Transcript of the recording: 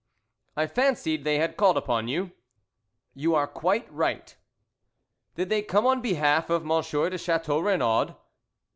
"I fancied they had called upon you." "You are quite right." "Did they come on behalf of M. de Chateau Renaud?"